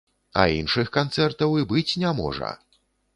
А іншых канцэртаў і быць не можа!